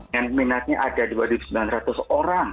dan minatnya ada dua sembilan ratus orang